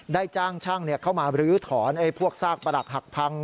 ได้จ้างช่างเข้ามาบรื้อถอนพวกซากประหลักหักพัง